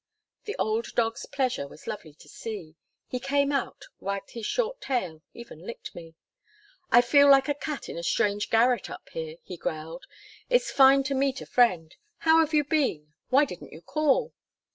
The old dog's pleasure was lovely to see. He came out, wagged his short tail, even licked me. "I feel like a cat in a strange garret up here," he growled. "It's fine to meet a friend. How have you been? Why didn't you call?"